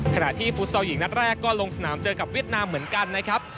ขณะที่ฟุตซอลหญิงนัดแรกก็ลงสนามเจอกับเวียดนามเหมือนกันนะครับ